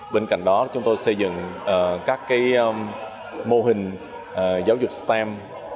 bên cạnh đó chúng tôi xây dựng các mô hình giáo dục stem